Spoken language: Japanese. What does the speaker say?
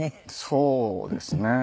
そうですね。